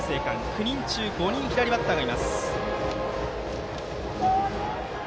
９人中５人、左バッターです。